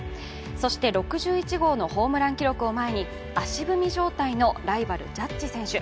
そして６１号のホームラン記録を前に足踏み状態のライバル・ジャッジ選手。